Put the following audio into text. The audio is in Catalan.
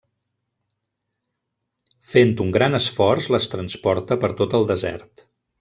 Fent un gran esforç les transporta per tot el desert.